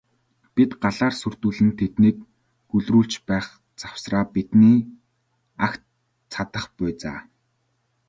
Бид галаар сүрдүүлэн тэднийг гөлрүүлж байх завсраа бидний агт цадах буй за.